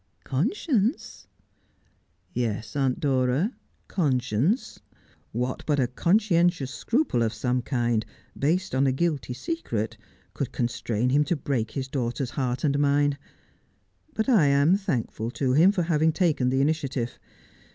' Conscience ?' 4 Yes, Aunt Dora, conscience ! What but a conscientious scruple of some kind, based on a guilty secret, could constrain him to break his daughter's heart and mine 1 But I am thankful to him for having taken the initiative.